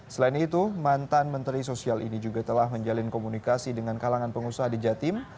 selain itu mantan menteri sosial ini juga telah menjalin komunikasi dengan kalangan pengusaha di jatim